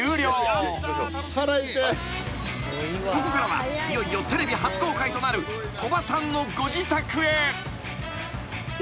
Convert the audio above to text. ［ここからはいよいよテレビ初公開となる鳥羽さんのご自宅へ］